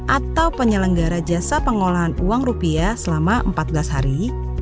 atau penyelenggara jasa pengolahan uang rupiah selama empat belas hari